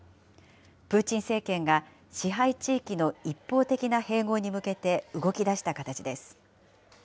プーチン政権が支配地域の一方的な併合に向けて動きだした形です。